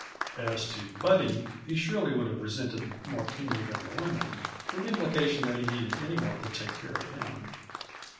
As to Buddy, he surely would have resented, more keenly than the women, the implication that he needed any one to take care of him.